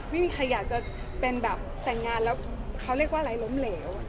ไม่มีใครอยากจะเป็นแบบแต่งงานแล้วเขาเรียกว่าอะไรล้มเหลว